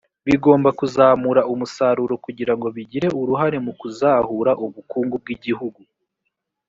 bigomba kuzamura umusaruro kugira ngo bigire uruhare mu kuzahura ubukungu bw’igihugu